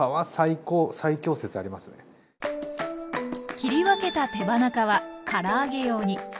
切り分けた手羽中はから揚げ用に。